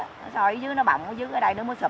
nó bọng ở dưới ở đây nó sụp xuống